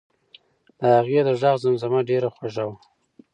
د هغې د غږ زمزمه ډېره خوږه وه.